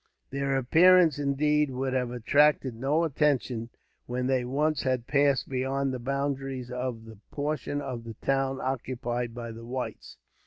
Their appearance, indeed, would have attracted no attention, when they once had passed beyond the boundaries of the portion of the town occupied by the whites.